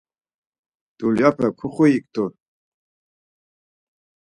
Dulyape kuxuiktu.